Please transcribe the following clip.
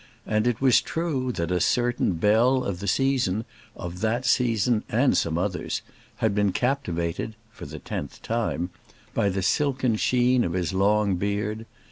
And it was true that a certain belle of the season, of that season and some others, had been captivated for the tenth time by the silken sheen of his long beard.